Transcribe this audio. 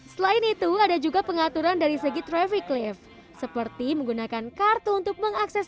selain itu ada juga pengaturan dari segi traffic lift seperti menggunakan kartu untuk mengakses